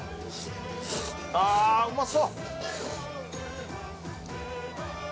ああうまそう！